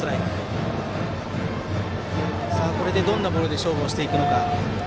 これでどんなボールで勝負していくのか。